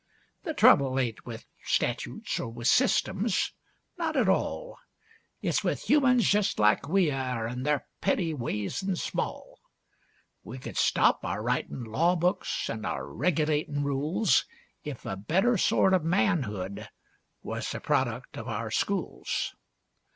"The trouble ain't with statutes or with systems not at all; It's with humans jus' like we air an' their petty ways an' small. We could stop our writin' law books an' our regulatin' rules If a better sort of manhood was the product of our schools.